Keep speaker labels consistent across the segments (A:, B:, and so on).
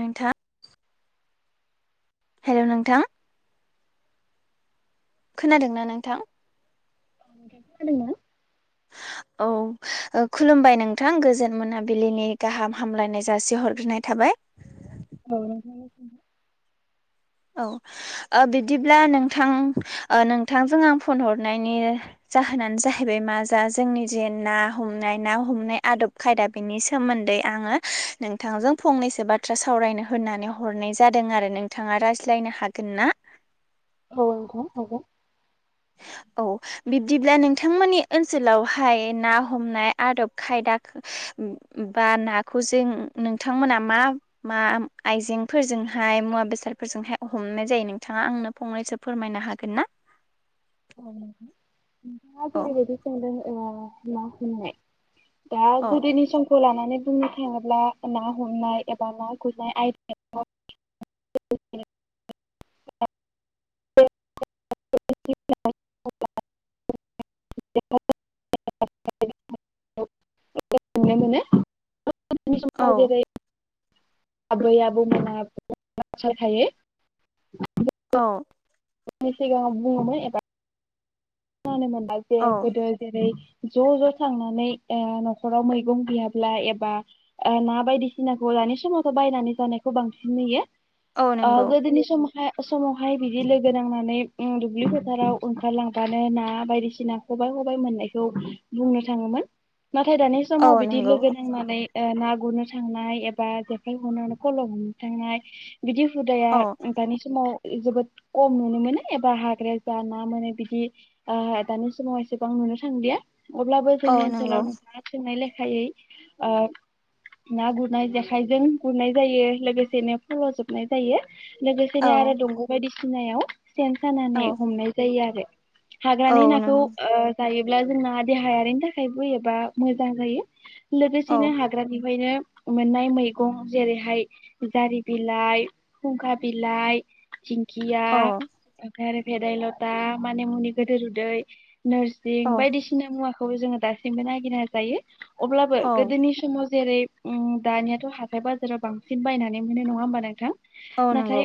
A: नोंथा हेलौ नोंथां । खोनादोंना नोंथां?
B: नोंथाङा खोनादों ना?
A: [inaudible] औ खुलुमबाय नोंथां गोजोन मोनाबिलिनि गाहाम हामलायनाय जासिहरग्रोनाय थाबाय ।
B: औ नोंथांनिसिम
A: औ ओ बिदिब्ला नोंथां नोंथांजों आं फन हरनायनि जा जाहोनानो जाहैबाय मा जा जोंनि जे ना हमनाय ना हमनाय आदब खायदा बेनि सोमोन्दै आङो नोंथांजों फंनैसो बाथ्रा सावरायनो होननानै हरनाय जादों आरो नोंथाङा रायज्ला लायनो हागोन ना?
B: औ नोंथां हागोन ।
A: [inaudible] औ बिब्दिब्ला नोंथांमोननि ओनसोलावहाय ना हमनाय आदब खायदा बा नाखौ जों नोंथांमोना मा - मा आइजेंफोरजोंहाय मुवा बेसादफोरजोंहाय हमनाय जायो नोंथाङा आंनो फंनैसो फोरमायनो हागोन ना?
B: औ नोंथां नोंथाङा
A: औ
B: जेरैबायदि सोंदो ओ ना हमनाय दा
A: औ
B: गोदोनि समखौ लाना माने बुंनो थाङोब्ला ना हमनाय एबा ना गुरनाय आयदायाव [unintelligible]
A: [inaudible]
B: [unintelligible]
A: औ
B: [unintelligible] [unintelligible]
A: औ ।
B: नि सिगाङाव बुङोमोन एबा फानोमोन दा जे
A: औ
B: गोदो जेरै ज' ज' थांनानै ओ न'खराव मैगं गैयाब्ला एबा ओ ना बायदिसिनाखौ दानि समावथ' बायनानै जानायखौ बांसिन नुयो
A: औ
B: ओ
A: नंगौ
B: गोदोनि समाव हाय समावहाय बिदि लोगो नांनानै ओम दुब्लि फोथाराव ओंखारलां दानो ना बायदिसिना खबाइ खबाइ मोननायखौ बुंनो थाङोमोन । नाथाय दानि
A: औ
B: समाव बिदि
A: नंगौ
B: लोगो नांनानै ना गुरनो थांनाय एबा जेखाइ हनो खल' हमनो थांनाय बिदि हुदाया
A: औ
B: दानि समाव जोबोद कम नुनो मोनो एबा हाग्राया जा ना मोनो बिदि ओ-दानि समाव एसेबां नुनो थांलिया अब्लाबो
A: औ
B: जोंनि
A: नंगौ
B: ओनसोलाव नोंथाङा सोंनायले खायै ओ ना गुरनाय जेखाइजों गुरनाय जायो लोगोसेनो फल'जोबनाय जायो ।
A: औ
B: लोगोसेनो आरो दंग' बायदिसिनायाव सेन सानानै
A: औ
B: हमनाय जायो आरो ।
A: औ
B: हाग्रानि नाखौ
A: नंगौ
B: ओ- जायो । अब्ला जोंना देहायारिनि थाखायबो एबा मोजां जायो
A: औ
B: लोगोसेनो हाग्रानिफायनो मोननाय मैगं जेरैहाय जारि बिलाइ, खुंखा बिलाइ, दिंखिया
A: औ
B: ओमफ्राय भेदायलथा माने मुंनि गोदो रुदै
A: औ
B: नोरसिं बायदिसिना मुवाखौबो जोङो दासिमबो नागिरना जायो। अब्लाबो
A: औ
B: गोदोनि समाव जेरै ओम दानियाथ' हाथाय बाजाराव बांसिन बायनानै मोनो नङा होमबा नोंथां?
A: औ
B: नाथाय
A: नंगौ।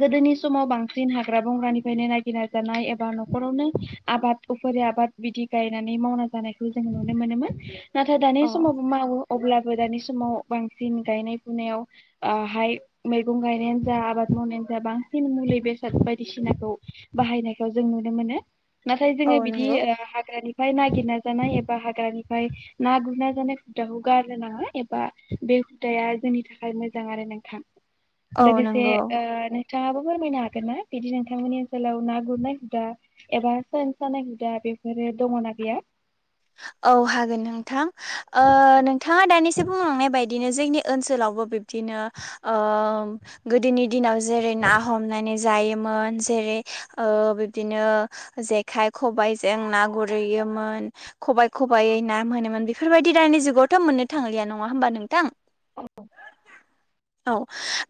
B: गोदोनि समाव बांसिन हाग्रा बंग्रानिफ्रायनो नायागिरनाय जानाय एबा न'खरावनो आबाद उफि आबाद बिदि गायनानै मावना जानायखौ जों नुनो मोनोमोन। नाथाय दानि
A: औ
B: समावबो मावो। अब्लाबो दानि समाव बांसिन गायनाय फुनायाव आहाय मैगं गायनायानो जा आबाद मावनायानो जा बांसिन मुलि बेसाद बायदिसिनाखौ बाहायनायखौ जों नुनो मोनो नाथाय
A: औ
B: जोङो बिदि
A: नंगौ
B: हाग्रानि फ्राय नागिरना जानाय एबा हाग्रानिफ्राय ना गुरना जानाय हुदाखौ गारनो नाङा एबा बे बे हुदाया जोंनि थाखाय मोजां आरो नोंथां
A: औ
B: लोगोसे
A: नंगौ
B: ओ-नोंथाङाबो फोरमायनो हागोन ना बिदि नोंथांमोननि ओनसोलाव ना गुरनाय हुदा एबा सेन सानाय हुदा बेफोरो दङना गैया?
A: औ हागोन नोंथां नोंथाङा दानिसो बुंलांनाय बायदि बिदिनो जोंनि ओनसोलावबो बिबदिनो ओ- गोदोनि दिनाव जेरै ना हमनानै जायोमोन जेरै ओ- बिदिनो जेखाय खबाइ जों ना गुरै योमोन। खबाय खबाइै नाम मोनोमोन बेफोरबायदि दानि जुगावथ' मोननो थांलिया नङा होमबा नोंथां? [inaudible] औ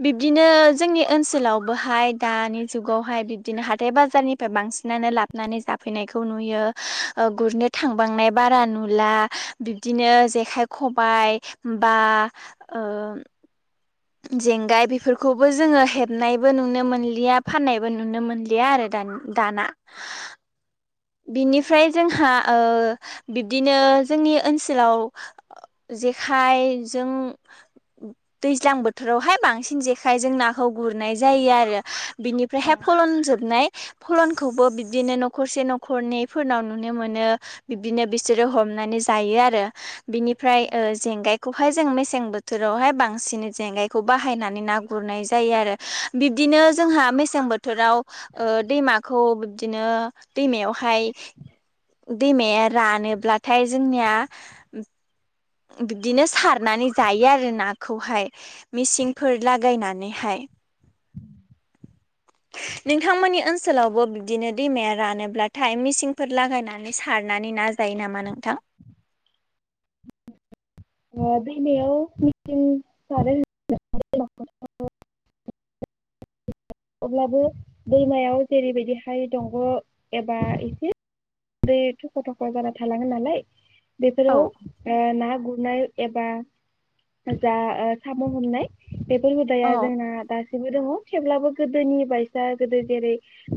A: बिब्दिनो जोंनि ओनसोलावबोहाय दानि जुगावहाय बिब्दिनो हाथाय बाजारनि निफ्राय बांसिनानो लाबोनानै जाफैनायखौ नुयो गुर थांबांनाय बारा नुला बिब्दिनो जेखाइ खबाय बा ओ जेंगाय बेफोरखौबो जोङो हेबनायबो नुनो मोनलिया फाननायबो नुनो मोनलिया आरो दान-दाना। बिनिफ्राय जोंहा ओ- बिब्दिनो जोंनि ओनसोलाव ओ- जेखाइजों दैज्लां बोथोरावहाय बांसिन जेखायजों नाखौ गुरनाय जायो आरो। बिनिफ्रायहाय फलन जोबनाय फलनखौबो बिबदिनो न'खरसे न न'खरनैफोरनाव नुनो मोनो बिब्दिनो बिसोरो हमनानै जायो आरो बिनिफ्राय जेंगायखौहाय जों मेसें बोथोरावहाय बांसिन जेंगायखौ बाहायनानै ना गुरनाय जायो आरो बिब्दिनो जोंहा मेसें बोथोराव दैमाखौ बिबदिनो दैमायाव हाय दैमाया रानोब्लाथाय जोंनिया बिदिनो सारनानै जायो आरो नाखौहाय मेसिनफोर लागायनानैहाय। नोंथांमोननि ओनसोलावबो बिब्दिनो दैमाया रानोब्ला नाथाय मिसिनफोर लागायनानै सारनानै ना जायो नामा नोंथां? [inaudible]
B: ओ-दैमायाव मेसिन सारो [unintelligible] [inaudible] [unintelligible] अब्लाबो दैमायाव जेरैबायदिहाय दंग' एबा एसे बे थख' थख' जाना थालाङो नालाय
A: औ
B: बेफोराव ना गुर एबा जा साम' हमनाय बेफोर हुउदाया
A: औ
B: जोंना गासिबो दङ थेवब्लाबो गोदोनि बायसा गोदो जेरै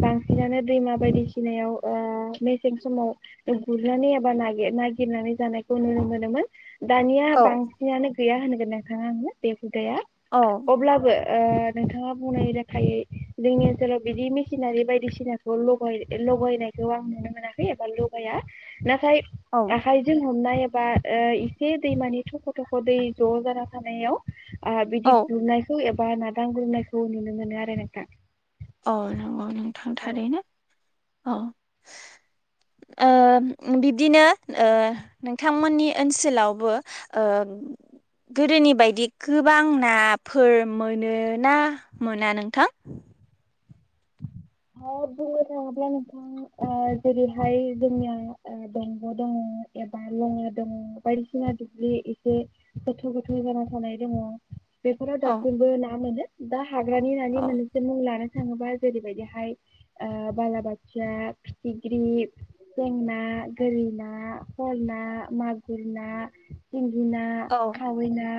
B: बांसिनानो दैमा बायदिसिनायाव ओ समाव गुरनानै एबा नागिरनानै जानायखौ नुनो मोनोमोन दानिया
A: औ
B: बांसिनानो गैया होनगोन आङो बे हुदाया
A: औ
B: अब्लाबो ओ नोंथाङा बुंनाय लेखायै जोंनि ओनसोलाव बिदि मेसिनारि बायदिसिनाखौ लगाय लगायनायखौ आं नुनो मोनाखै एबा लगाया नाथाय
A: औ
B: आखायजों हमनाय एबा ए दैमानि थख' थख' दै ज' जाना थानायाव आ बिदि
A: औ
B: गुरनायखौ नागुर नायखौ नुनो मोनो‌ नोंथां
A: औ नंगौ नोंथां
B: औ
A: थारैनो औ बिब्दिनो नोंथांमोननि ओनसोलावबो गोदोनि बायदि गोबां नाफोर मोनो ना मोना नोंथां
B: बुंनो थाङोब्ला नोंथां जेरैहाय जोंनिया दंग' दङ एबा लङा दङ बायदिसिना दुब्लि एसे गोथौ गोथौ जाना थानाय दङ। बेफोराव
A: औ
B: दासिमबो ना मोनो दा हाग्रानि नानि
A: औ
B: मोनसे मुं लानो थाङोबा जेरैबायदि [inaudible] बालाबाथिया फिथिख्रि थेंना गोरिना ना मागुर ना, सिंगि ना,
A: औ
B: खावै ना,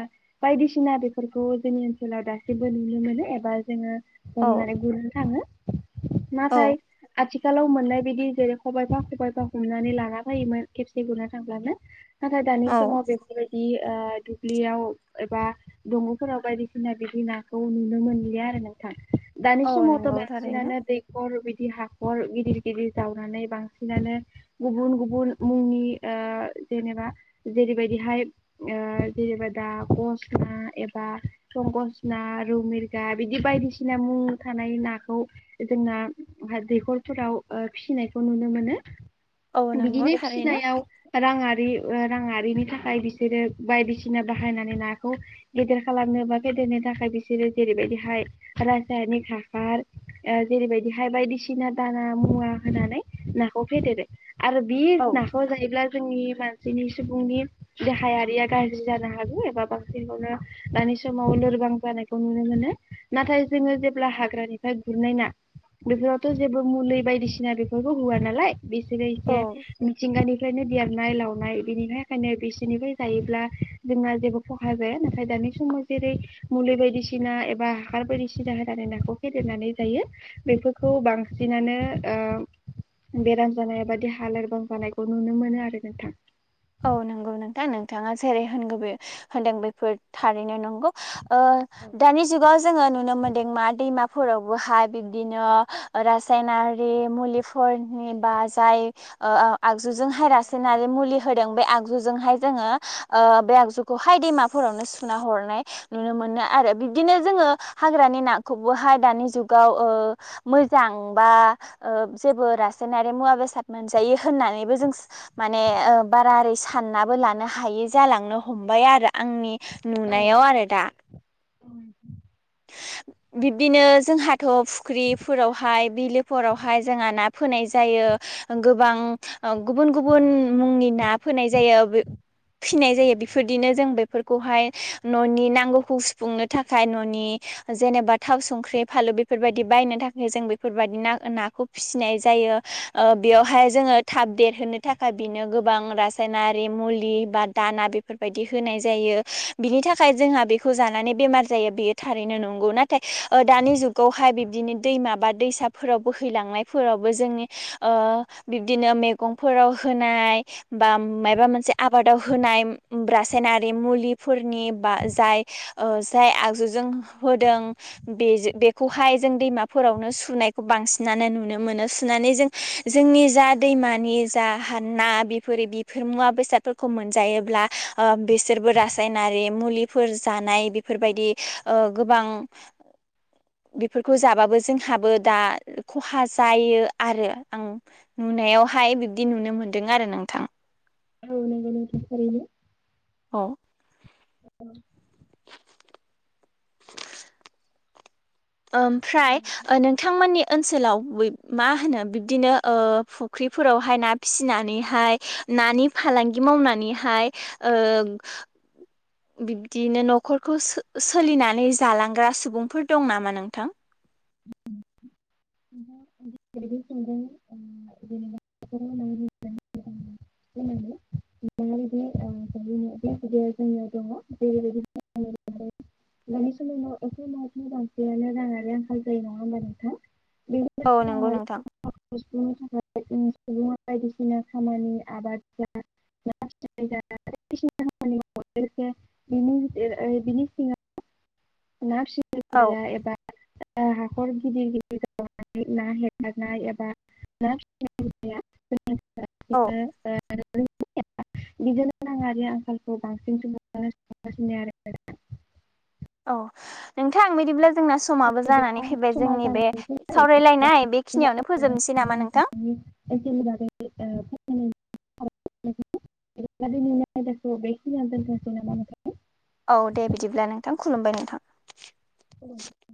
B: बायदिसिना बेफोरखौ जोंनि ओनसोलाव दासिमबो नुनो मोनो एबा जोङो
A: औ
B: जमनानैनानै गुरनो थाङो नाथाय
A: औ
B: आ थिखालाव मोननाय बिदि जेरै खबाइफा खबाइफा हमनानै लाना फैयोमोन खेबसे गुरना थांब्लानो नाथाय दानि
A: औ
B: समाव बेफोरबायदि ओ दुब्लियाव एबा दङ'फोराव बायदिसिना बिदि नाखौ नुनो मोनलिया आरो नोंथां दानि
A: औ
B: समावथ'
A: नंगौ थारैनो
B: बसिनानो दैेखर हाखर गिदिर गिदिर जावनानै बांसिनानो गुबुन गुबुन मुंनि जेनेबा जेरैबायदिहाय जेनेबा दा गसा एबा संकस ना रौ मिरगा बिदि बायदिसिना मुं थानाय नाखौ जोंना दैखरफोराव फिसिनायखौ नुनो मोनो
A: औ नंगौ
B: बिदिनो
A: थारैनो
B: फिनायाव रां राङारिनि थाखाय बिसोरो बायदिसिना बाहायनानै नाखौ गेदेर खालामनो बा जानो थाखाय बिसोरो जेरैबायदिहाय रासायनिक हासार जेरैबायदिहाय बायदिसिना दाना मुवा होनानै नाखौ फेदेरो आरो बि
A: औ
B: नाखौ जायोब्ला जोंनि मानसिनि सुबुंनि देहायारिया गाज्रि जानो हागौ एबा बांसिनखौनो मानी समाव लोरबां जखौ नुनो मोन ना जोङो जेब्ला हाग्रानि ओमफ्राय गुरनाय ना बेफोरावथ' जेबो मुलि बायदिसिना बेफोरखौ होआ नालाय बिसोरो एसे
A: औ
B: मिथिंगानिफ्रायनो बि सानाय लावनाय बिनिफ्रायायनो बिसोरनिफ्राय जायोब्ला जोंहा जेबो खहा जाया नाथाय दानि समाव जेरै मुलि बायदिसिना एबा हासार बायदिसिना होनानै नाखौ फेलेरनानै जायो बेफोरखौ बांसिनानो बेराम जानाय बादि हालिरबां जानायखौ नुनो मोनो आरो नोंथां
A: औ नंगौ नोंथां नोंथाङा जेरै होनगौ बे होनदों बेफोर थारैनो नंगौ ओ दानि जुगाव जोङो नुनो मोनदों मा दैमा फोरावबोहाय बिब्दिनो रासायनारि मुलिफोरनि बा जाय आगजुजों हायरास ना आरो मुलि होदों बे आगजुजोंहाय जोङो बे आगजुखौहाय दैमाफोरावनो सुना हरनाय नुनो मोनो बिब्दिनो जोङो हाग्रानि ना दानि मोजां आ ओ जेबो रासायनारि मुवा बेसाद मोनजायो होननानैबो जों माने बारारै साननाबो लानो हायि जालांनो हमबाय आरो आंनि
B: औ
A: नुनायाव आरो दा बिब्दिनो जोंहाथ' फुख्रिफोरावहाय बिलोफोरावहाय जोंहा ना फोनाय जायो। गोबां गुबुन गुबुन मुंनि ना फोनाय जायो। फिनाय जायो बेफोरदिनो जों बेफोरखौहाय न'नि नांगौखौ सुफुंनो थाखाय न' जेनेबा थाव संख्रि फालु बेफोरबायदि बायनो थाखाय जों बेफोरबायदि नाखौ फिसिनाय जायो ओ बेवहाय जोंङो थाब दे थाखाय बिनो गोबां रासायनारि मुलि बा दाना बेफोरबायदि होनाय जायो बिनि। थाखाय जोंहा बेखौ जानानै बेमार जायो बेयो थारैनो नंगौ नाथाय ओ दानि जुगावहाय बिब्दिनो दैमा बा दैसाफोराव बोहैलांनायफोराव बो जोंनि ओ बिबदिनो मैगं फोराव होननाय बा मायबा मोनसे आबाद बादाव होनाय उम रासायनारि मुलिफोरनि बा जाय ओ जाय आगजु जों जों होदों बे जों बेखौहाय जों दैमाफोरावनो सुनायखौ बांसिनानो नुनो मोनो। नो सुनानै जों जोंनि जा दैमानि जा हाना बेफोर बेफोर मुवा बेसादफोर‌ खौ मोनजायोब्ला ओ बिसोरबो रासायनारि मुलिफोर जानाय बेफोरबायदि। ओ गोबां। बेफोरखौ जाबाबो जोंहाबो दा खहा जायो आरो आं। नुनायावहाय बिब्दि नुनो मोन्दों आरो नोंथां।
B: औ नोंगौ नोंगौ थारैनो।
A: औ।
B: [inaudible]
A: ओमफ्राय ओ नोंथांमोननि ओन। सोलाव उम मा होनो बिबदिनो फुख्रिफोरावहाय ना फिसिनानैहाय नानि फालांगि मावनानैहाय ओ‌ बिब्दिनो न'खरखौ सो सोलिनानै जालांग्रा सुबुंफोर दं नामा नोंथां? [inaudible]
B: [unintelligible] [unintelligible] दानि समाव एसे माइकनि बांसिनानो राङारि आंखाल जायो नङा होमबा नोंथां बेफोर
A: औ नंगौ
B: राङारि
A: नोंथां।
B: सुफुंनो थाखाय सुबुङा बायदिसिना खामानि आबाद बायदिसिना खामानि मावो लोगोसे बिनि बिनि सिङाव ना फिसिनाय
A: औ।
B: हुदाया एबा हाखर बिदिनो गिदिर गिदिर ना हेगारनाय एबा ना [unintelligible]
A: औ
B: [unintelligible] बिदिनो नाङारि आंखालखौ बांसिनो सगासिनो आरो।
A: औ नोंथां बिदिब्ला। जोंना समाबो
B: बिदिब्ला
A: जानानै फैबाय
B: समा
A: जोंनि बे
B: जानानै फैबाय
A: सावरायलायनायखै बेखिनियावनो
B: नोंथांनि
A: फोजोबनोसै नामा नोंथां?
B: [unintelligible] [unintelligible]
A: औ दे बिदिब्ला नोंथां खुलुमबाय नोंथां।
B: खुलुमबाय